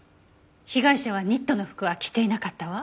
被害者はニットの服は着ていなかったわ。